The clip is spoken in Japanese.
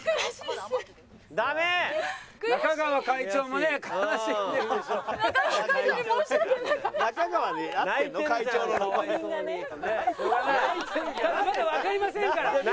まだわかりませんから。